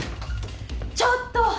ちょっと！